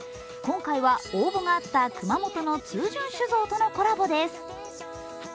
今回は応募があった熊本の通潤酒造とのコラボです。